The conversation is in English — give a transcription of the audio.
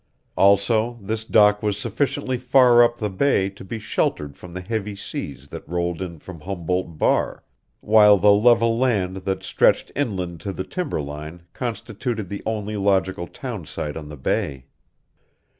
Also this dock was sufficiently far up the bay to be sheltered from the heavy seas that rolled in from Humboldt Bar, while the level land that stretched inland to the timber line constituted the only logical townsite on the bay.